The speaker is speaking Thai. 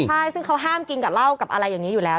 ใช่ซึ่งเขาห้ามกินกับเหล้ากับอะไรอย่างนี้อยู่แล้ว